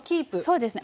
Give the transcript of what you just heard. そうですね。